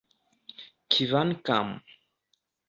kvankam